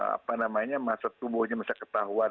apa namanya masa tubuhnya masa ketahuan